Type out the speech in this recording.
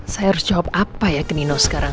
saya harus jawab apa ya ke nino sekarang